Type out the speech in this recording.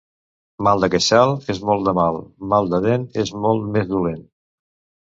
Mal de queixal és molt de mal; mal de dent és molt més dolent.